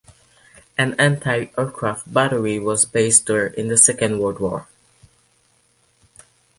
An anti-aircraft battery was based there in the Second World War.